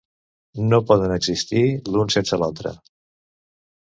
No poden existir l'un sense l'altre.